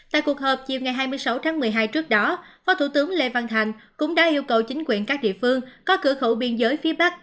tại cuộc họp chiều ngày hai mươi sáu tháng một mươi hai trước đó phó thủ tướng lê văn thành cũng đã yêu cầu chính quyền các địa phương có cửa khẩu biên giới phía bắc